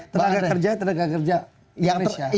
tenaga kerja tenaga kerja indonesia